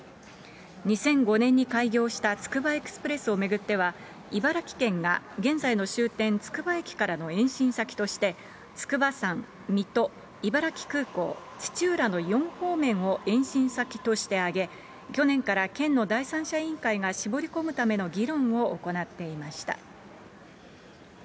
２００５年に開業したつくばエクスプレスを巡っては、茨城県が現在の終点、つくば駅からの延伸先として、筑波山、水戸、茨城空港、土浦の４方面を延伸先として挙げ、去年から県の第三者委員会が絞り込むための議論を行っていました。